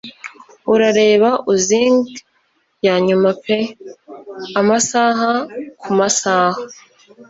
Urareba oozings yanyuma pe amasaha kumasaha.